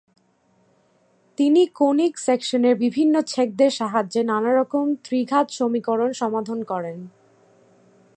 তিনি কোনিক সেকশনের বিভিন্ন ছেদকের সাহায্যে নানারকম ত্রিঘাত সমীকরণ সমাধান করেন।